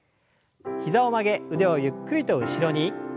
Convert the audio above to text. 膝を曲げ腕をゆっくりと後ろに。